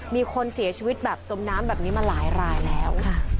มีคนเสียชีวิตแบบจมน้ำแบบนี้มาหลายรายแล้ว